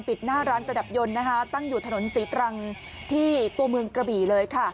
หน้าร้านประดับยนต์นะคะตั้งอยู่ถนนศรีตรังที่ตัวเมืองกระบี่เลยค่ะ